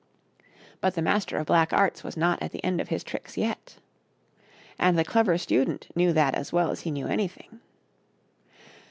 But the Master of Black Arts was not at the end of his tricks yet. And the Clever Student knew that as well as he knew anything.